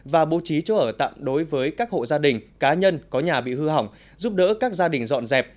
và bố trí chỗ ở tạm đối với các hộ gia đình cá nhân có nhà bị hư hỏng giúp đỡ các gia đình dọn dẹp